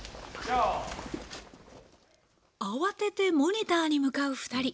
慌ててモニターに向かう２人。